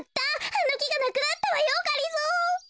あのきがなくなったわよがりぞー。